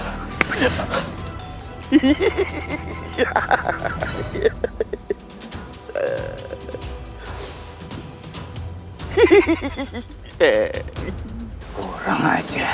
hehehe sini sini kita bertarung di atas